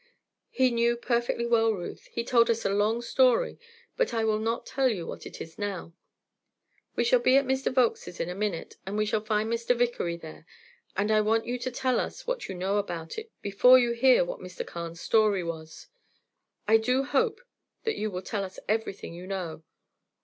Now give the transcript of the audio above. "He knew perfectly well, Ruth; he told us a long story, but I will not tell you what it is now. We shall be at Mr. Volkes's in a minute, and we shall find Mr. Vickery there, and I want you to tell us what you know about it before you hear what Mr. Carne's story was. I do hope that you will tell us everything you know.